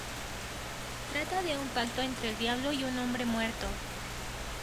Trata de un pacto entre el Diablo y un hombre muerto.